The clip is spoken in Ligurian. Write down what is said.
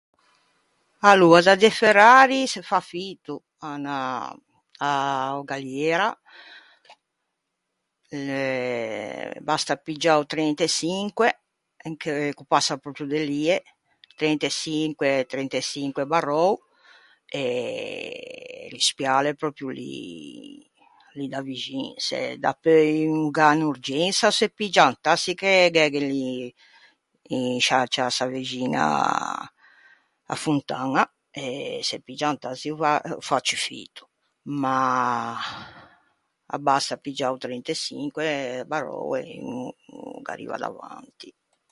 Aloa, da De Ferrari se fa fito à anâ a-o Galliera. L'é... basta piggiâ o trent'e çinque che, ch'o passa pròpio de lie... trent'e çinque, trent'e çinque barrou... e l'uspiâ o l'é pròpio lì, lì da vixin. Se dapeu un o gh'à unn'urgensa se piggia un tassi che gh'é gh'é lì in sciâ ciassa vexin a-a fontaña, e se piggia un tassi e o va, o fa ciù fito, ma abbasta piggiâ o trent'e çinque barrou e un o gh'arriva davanti.